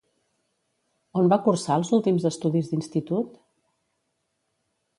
On va cursar els últims estudis d'institut?